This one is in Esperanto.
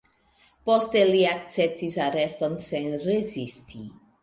Poste li akceptis areston sen rezisti.